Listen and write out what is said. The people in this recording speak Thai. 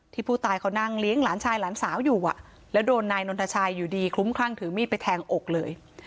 ผู้ตายเขานั่งเลี้ยงหลานชายหลานสาวอยู่แล้วโดนนายนนทชัยอยู่ดีคลุ้มคลั่งถือมีดไปแทงอกเลย